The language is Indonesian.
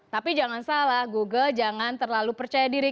tapi jangan salah google jangan terlalu percaya diri